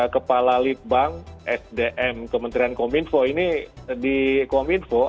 kepala lead bank sdm kementerian komunikasi ini di komunikasi